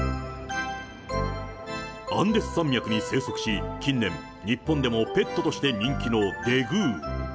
アンデス山脈に生息し、近年、日本でもペットとして人気のデグー。